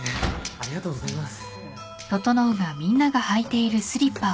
ありがとうございます。